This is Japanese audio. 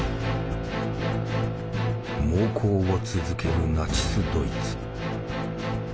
猛攻を続けるナチス・ドイツ。